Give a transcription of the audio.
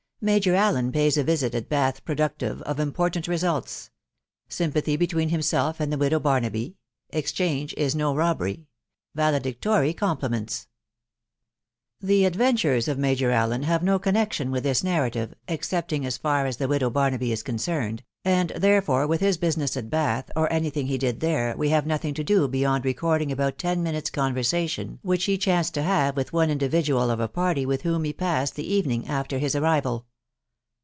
MAJOR ALLEN PATS A VISIT AT BATH BRODCCTITE Off ^D(YO*XAJK 11* SULTS. SYMPATHY BETWEEN HIMSELF AND THE WIDOW AiUUB> XXCHANGS IS NO BOBBEBY. VALEDICTORY CQMnOMMHTSW The adventures of Major Allen have no connection ;erith ttyi narrative, excepting as far as the widow garnaby je CMuecqyd, and therefore with his business at Bath, or any fhqngjbailpi there, we have nothing to do beyond recording a]boui ten W*" nutes' conversation which he chanced to have w^th ope indnp dual of a party with whom he passed the pvenjng alter hji arrival.